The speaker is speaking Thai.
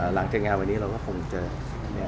หลังจากงานวันนี้เราก็คงเจอ